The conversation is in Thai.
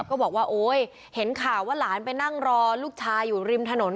ก็บอกว่าโอ๊ยเห็นข่าวว่าหลานไปนั่งรอลูกชายอยู่ริมถนน